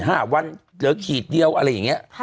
ห้าวันเหลือขีดเดียวอะไรอย่างเงี้ย